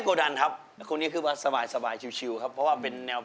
ขอบคุณพี่เลี้ยงพี่จักรจุงแผนครับ